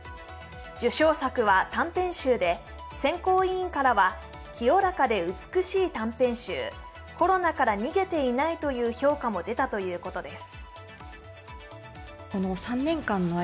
受賞作は短編集で選考委員からは、清らかで美しい短編集、コロナから逃げていないという評価も出たということです。